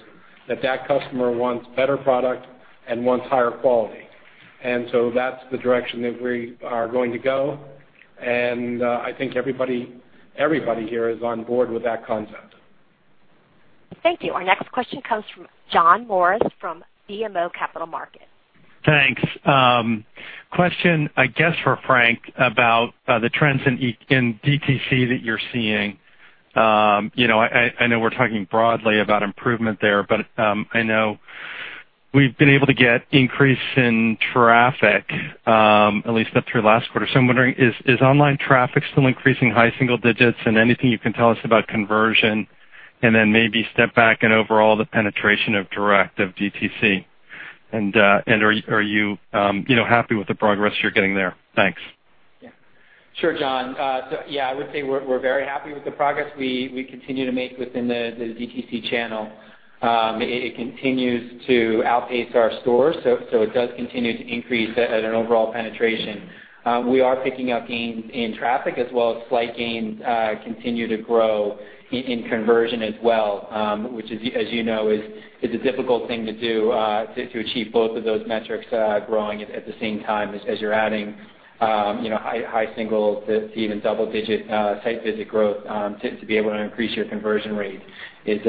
that that customer wants better product and wants higher quality. That's the direction that we are going to go. I think everybody here is on board with that concept. Thank you. Our next question comes from John Morris from BMO Capital Markets. Thanks. Question, I guess, for Frank, about the trends in DTC that you're seeing. I know we're talking broadly about improvement there, but I know we've been able to get increase in traffic, at least up through last quarter. I'm wondering, is online traffic still increasing high single digits? Anything you can tell us about conversion, then maybe step back and overall the penetration of direct of DTC. Are you happy with the progress you're getting there? Thanks. Sure, John. Yeah, I would say we're very happy with the progress we continue to make within the DTC channel. It continues to outpace our stores, so it does continue to increase at an overall penetration. We are picking up gains in traffic as well as slight gains continue to grow in conversion as well, which as you know, is a difficult thing to do, to achieve both of those metrics growing at the same time as you're adding high single to even double-digit site visit growth. To be able to increase your conversion rate is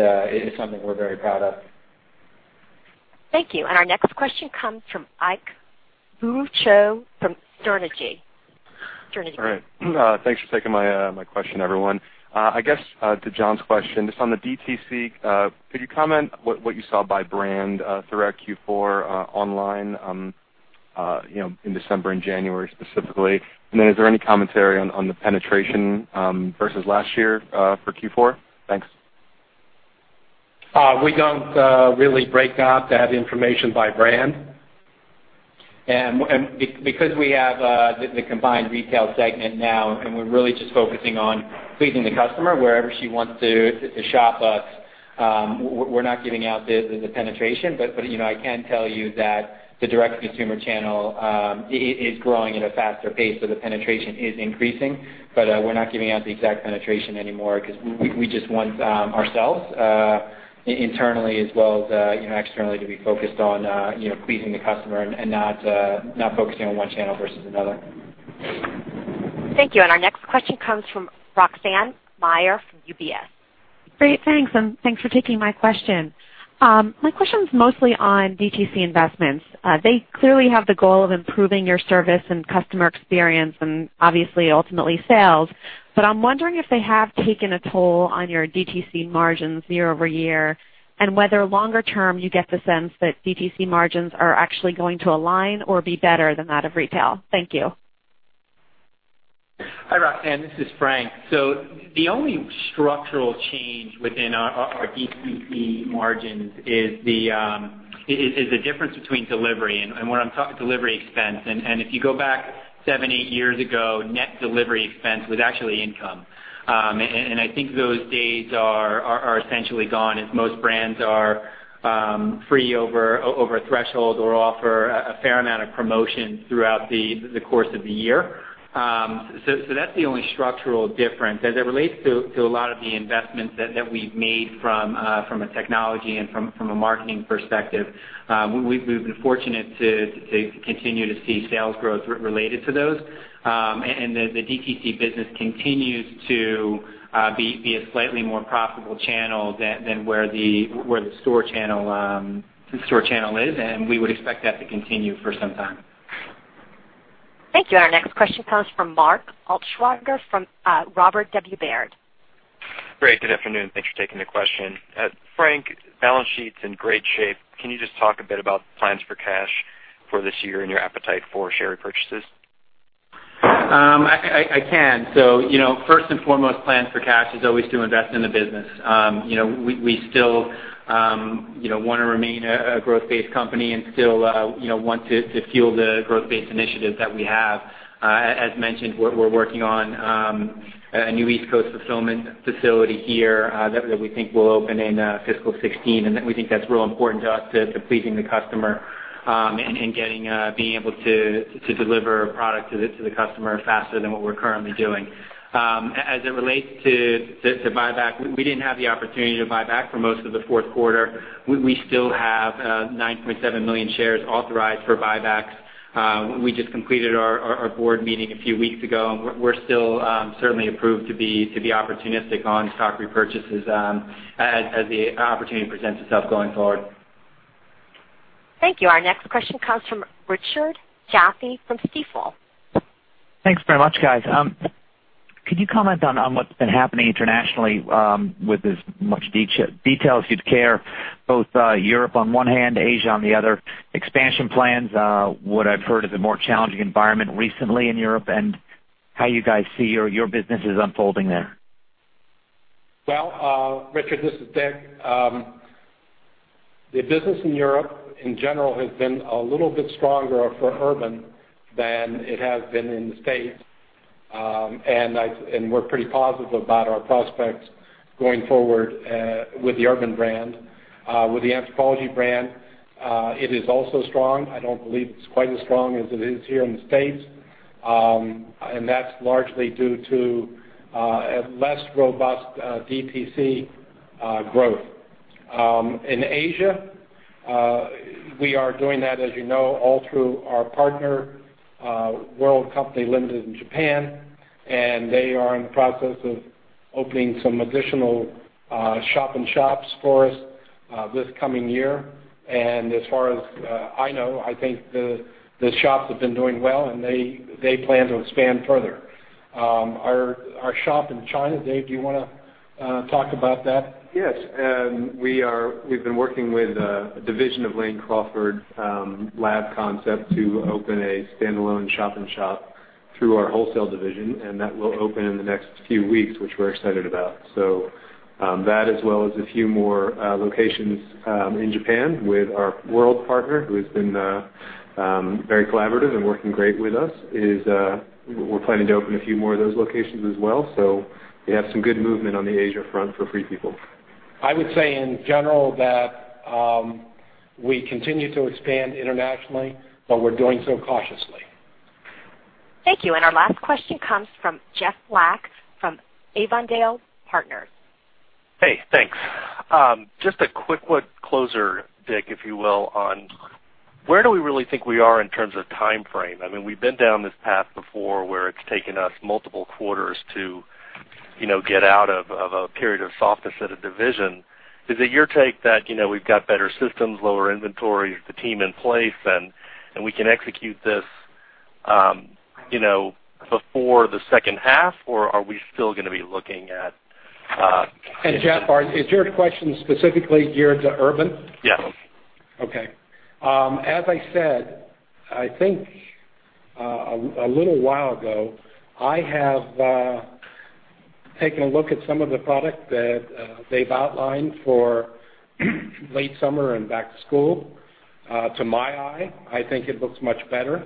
something we're very proud of. Thank you. Our next question comes from Ike Boruchow from Sterne Agee. All right. Thanks for taking my question, everyone. I guess, to John's question, just on the DTC, could you comment what you saw by brand throughout Q4 online, in December and January specifically? Is there any commentary on the penetration versus last year for Q4? Thanks. We don't really break out that information by brand. Because we have the combined retail segment now, we're really just focusing on pleasing the customer wherever she wants to shop us, we're not giving out the penetration. I can tell you that the direct-to-consumer channel is growing at a faster pace, the penetration is increasing. We're not giving out the exact penetration anymore because we just want ourselves, internally as well as externally, to be focused on pleasing the customer and not focusing on one channel versus another. Thank you. Our next question comes from Roxanne Meyer from UBS. Great. Thanks, thanks for taking my question. My question's mostly on DTC investments. They clearly have the goal of improving your service and customer experience and obviously, ultimately sales. I'm wondering if they have taken a toll on your DTC margins year-over-year, and whether longer term, you get the sense that DTC margins are actually going to align or be better than that of retail. Thank you. Hi, Roxanne. This is Frank. The only structural change within our DTC margins is the difference between delivery expense. If you go back seven, eight years ago, net delivery expense was actually income. I think those days are essentially gone as most brands are free over a threshold or offer a fair amount of promotions throughout the course of the year. That's the only structural difference. As it relates to a lot of the investments that we've made from a technology and from a marketing perspective, we've been fortunate to continue to see sales growth related to those. The DTC business continues to be a slightly more profitable channel than where the store channel is, and we would expect that to continue for some time. Thank you. Our next question comes from Mark Altschwager from Robert W. Baird. Great. Good afternoon. Thanks for taking the question. Frank, balance sheet's in great shape. Can you just talk a bit about plans for cash for this year and your appetite for share repurchases? I can. First and foremost, plans for cash is always to invest in the business. We still want to remain a growth-based company and still want to fuel the growth-based initiatives that we have. As mentioned, we're working on a new East Coast fulfillment facility here that we think will open in fiscal 2016. We think that's real important to us to pleasing the customer and being able to deliver a product to the customer faster than what we're currently doing. As it relates to buyback, we didn't have the opportunity to buy back for most of the fourth quarter. We still have 9.7 million shares authorized for buybacks. We just completed our board meeting a few weeks ago, and we're still certainly approved to be opportunistic on stock repurchases as the opportunity presents itself going forward. Thank you. Our next question comes from Richard Jaffe from Stifel. Thanks very much, guys. Could you comment on what's been happening internationally with as much detail as you'd care, both Europe on one hand, Asia on the other, expansion plans, what I've heard is a more challenging environment recently in Europe, and how you guys see your businesses unfolding there? Well, Richard, this is Dick. The business in Europe, in general, has been a little bit stronger for Urban than it has been in the States. We're pretty positive about our prospects going forward with the Urban brand. With the Anthropologie brand, it is also strong. I don't believe it's quite as strong as it is here in the States, and that's largely due to a less robust DTC growth. In Asia, we are doing that, as you know, all through our partner, World Co., Ltd. in Japan, and they are in the process of opening some additional shop-in-shops for us this coming year. As far as I know, I think the shops have been doing well, and they plan to expand further. Our shop in China, Dave, do you want to talk about that? Yes. We've been working with a division of Lane Crawford lab concept to open a standalone shop-in-shop through our wholesale division, and that will open in the next few weeks, which we're excited about. That, as well as a few more locations in Japan with our World partner, who has been very collaborative and working great with us. We're planning to open a few more of those locations as well. We have some good movement on the Asia front for Free People. I would say, in general, that we continue to expand internationally, but we're doing so cautiously. Thank you. Our last question comes from Jeff Black from Avondale Partners. Hey, thanks. Just a quick one closer, Dick, if you will, on where do we really think we are in terms of timeframe? We've been down this path before where it's taken us multiple quarters to get out of a period of softness at a division. Is it your take that we've got better systems, lower inventories, the team in place, and we can execute this before the second half? Are we still going to be looking at? Jeff, is your question specifically geared to Urban? Yes. Okay. As I said, I think a little while ago, I have taken a look at some of the product that they've outlined for late summer and back to school. To my eye, I think it looks much better.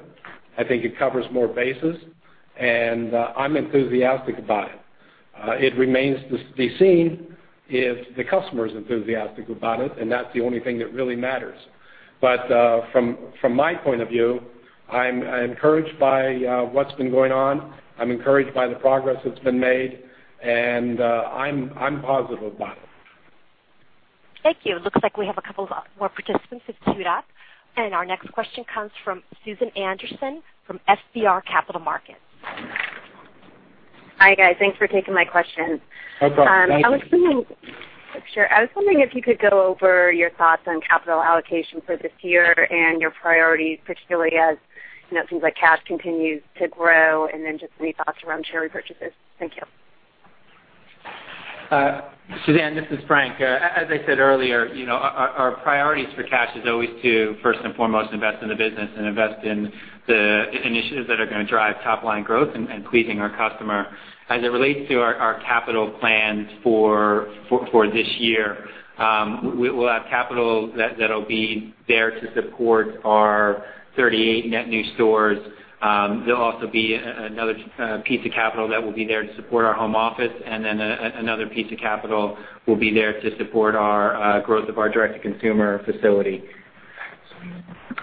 I think it covers more bases, and I'm enthusiastic about it. It remains to be seen if the customer is enthusiastic about it, and that's the only thing that really matters. From my point of view, I'm encouraged by what's been going on. I'm encouraged by the progress that's been made, and I'm positive about it. Thank you. Looks like we have a couple more participants that have queued up. Our next question comes from Susan Anderson from FBR Capital Markets. Hi, guys. Thanks for taking my question. No problem. Thank you. I was wondering if you could go over your thoughts on capital allocation for this year and your priorities, particularly as it seems like cash continues to grow, and then just any thoughts around share repurchases. Thank you. Susan, this is Frank. As I said earlier, our priorities for cash is always to, first and foremost, invest in the business and invest in the initiatives that are going to drive top-line growth and pleasing our customer. As it relates to our capital plans for this year, we'll have capital that'll be there to support our 38 net new stores. There'll also be another piece of capital that will be there to support our home office, another piece of capital will be there to support our growth of our direct-to-consumer facility.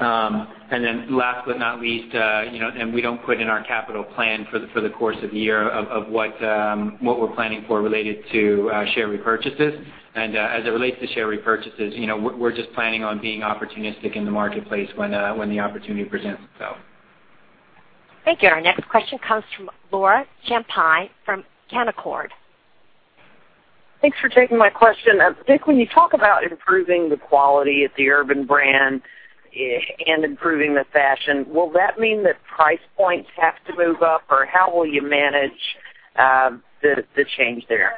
Last but not least, we don't put in our capital plan for the course of the year of what we're planning for related to share repurchases. As it relates to share repurchases, we're just planning on being opportunistic in the marketplace when the opportunity presents itself. Thank you. Our next question comes from Laura Champine from Canaccord. Thanks for taking my question. Dick, when you talk about improving the quality of the Urban brand and improving the fashion, will that mean that price points have to move up, or how will you manage the change there?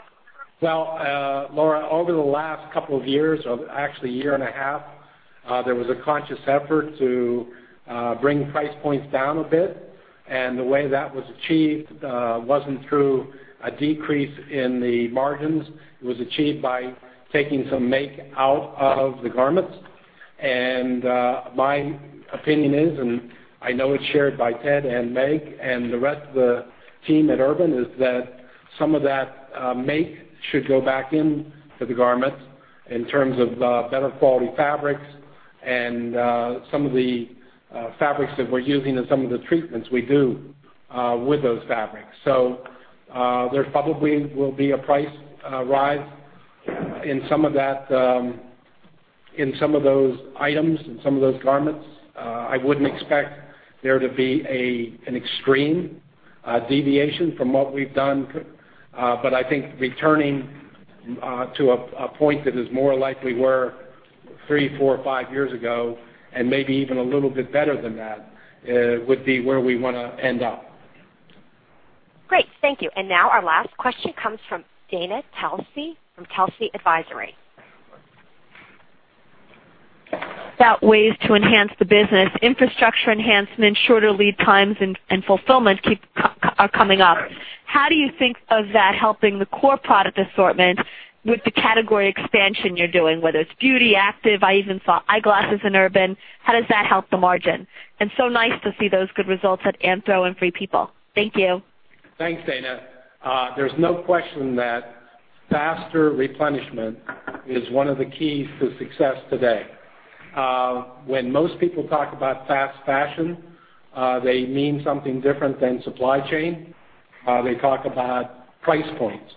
Laura, over the last couple of years, or actually a year and a half, there was a conscious effort to bring price points down a bit, and the way that was achieved wasn't through a decrease in the margins. It was achieved by taking some make out of the garments. My opinion is, and I know it's shared by Ted and Meg and the rest of the team at Urban, is that some of that make should go back into the garments in terms of better quality fabrics and some of the fabrics that we're using and some of the treatments we do with those fabrics. There probably will be a price rise in some of those items, in some of those garments. I wouldn't expect there to be an extreme deviation from what we've done. I think returning to a point that is more like we were 3, 4, 5 years ago, and maybe even a little bit better than that, would be where we want to end up. Great. Thank you. Now our last question comes from Dana Telsey from Telsey Advisory. About ways to enhance the business, infrastructure enhancement, shorter lead times, and fulfillment are coming up. How do you think of that helping the core product assortment with the category expansion you're doing, whether it's beauty, active, I even saw eyeglasses in Urban. How does that help the margin? Nice to see those good results at Anthro and Free People. Thank you. Thanks, Dana. There's no question that faster replenishment is one of the keys to success today. When most people talk about fast fashion, they mean something different than supply chain. They talk about price points.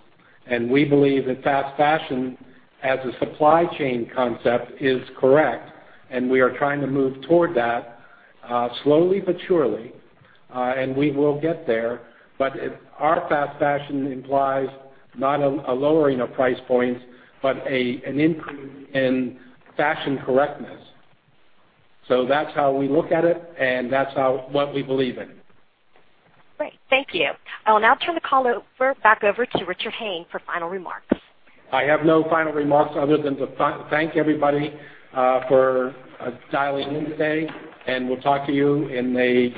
We believe that fast fashion as a supply chain concept is correct, and we are trying to move toward that slowly but surely, and we will get there. Our fast fashion implies not a lowering of price points, but an increase in fashion correctness. That's how we look at it, and that's what we believe in. Great. Thank you. I will now turn the call back over to Richard Hayne for final remarks. I have no final remarks other than to thank everybody for dialing in today, and we'll talk to you in a